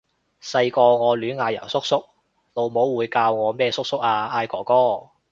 細個我亂嗌人叔叔，老母會教我咩叔叔啊！嗌哥哥！